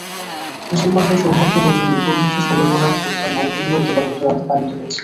মুসলমানদের সৌভাগ্যের রজনী পবিত্র শবে বরাত গতকাল মঙ্গলবার দিবাগত রাতে পালিত হয়েছে।